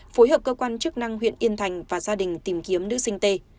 phối hợp cơ quan chức năng huyện yên thành và gia đình tìm kiếm nữ sinh tê